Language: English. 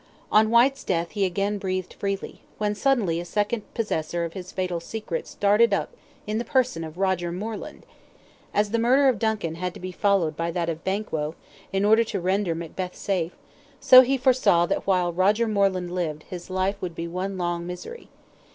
On Whyte's death he again breathed freely, when suddenly a second possessor of his fatal secret started up in the person of Roger Moreland. As the murder of Duncan had to be followed by that of Banquo, in order to render Macbeth safe, so he foresaw that while Roger Moreland lived his life would be one long misery.